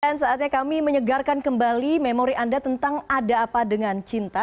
dan saatnya kami menyegarkan kembali memori anda tentang ada apa dengan cinta